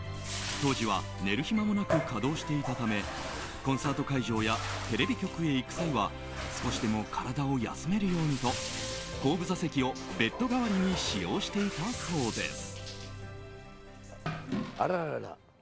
当時は寝る暇もなく稼働していたためコンサート会場やテレビ局へ行く際は少しでも体を休めるようにと後部座席をベッド代わりに使用していたそうです。